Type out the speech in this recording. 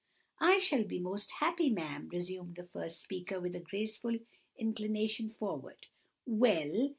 "I shall be most happy, ma'am," resumed the first speaker, with a graceful inclination forwards. "Well!